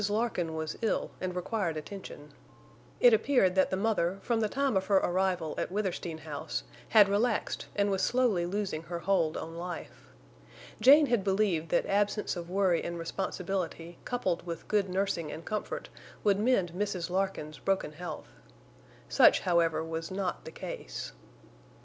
Larkin was ill and required attention. It appeared that the mother, from the time of her arrival at Withersteen House, had relaxed and was slowly losing her hold on life. Jane had believed that absence of worry and responsibility coupled with good nursing and comfort would mend Mrs. Larkin's broken health. Such, however, was not the case.